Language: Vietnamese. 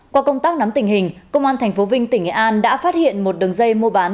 qua công tác nắm tình hình công an tp vinh tỉnh nghệ an đã phát hiện một đường dây mua bán